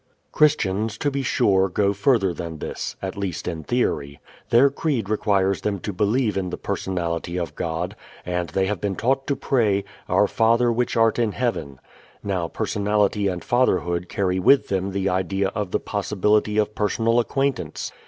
Christians, to be sure, go further than this, at least in theory. Their creed requires them to believe in the personality of God, and they have been taught to pray, "Our Father, which art in heaven." Now personality and fatherhood carry with them the idea of the possibility of personal acquaintance.